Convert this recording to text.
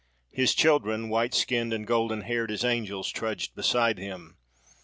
His children, white skinned and golden haired "as angels," trudged beside him.